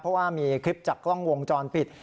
เพราะว่ามีคลิปจากกล้องวงจรปิด